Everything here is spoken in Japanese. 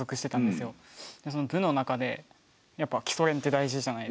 でその部の中でやっぱ基礎練って大事じゃないですか。